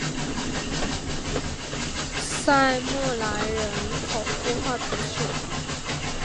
塞默莱人口变化图示